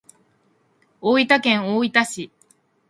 大分県大分市